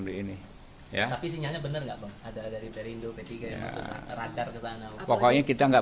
di ini ya tapi sinyalnya bener nggak ada dari perindo p tiga radar kesana pokoknya kita enggak